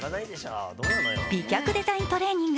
美脚デザイントレーニング